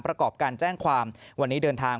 ประกอบการแจ้งความวันนี้เดินทาง